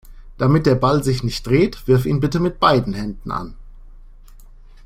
Damit der Ball sich nicht dreht, wirf ihn bitte mit beiden Händen an.